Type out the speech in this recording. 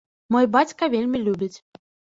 Мой бацька вельмі любіць.